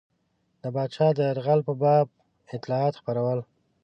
د پاچا د یرغل په باب اطلاعات خپرول.